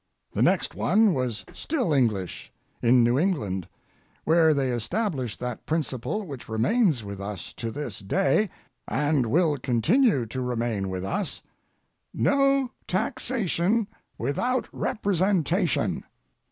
The next one was still English, in New England, where they established that principle which remains with us to this day, and will continue to remain with us—no taxation without representation.